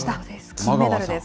金メダルです。